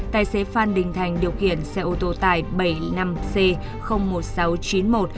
tài xế phan đình thành điều khiển xe ô tô tải bảy mươi năm c một b